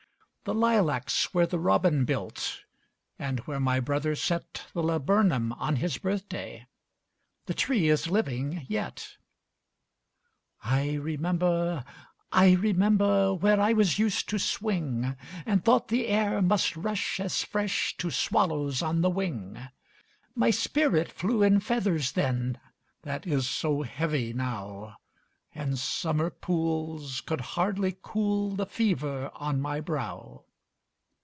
The lilacs where the robin built, And where my brother set The laburnum on his birthday, The tree is living yet! I remember, I remember, Where I was used to swing, And thought the air must rush as fresh To swallows on the wing; My spirit flew in feathers then, That is so heavy now, And summer pools could hardly cool The fever on my brow!